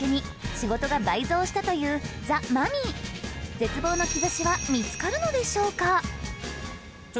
絶望の兆しは見つかるのでしょうか？